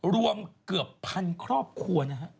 รวมเกือบ๑๐๐๐ครอบครัว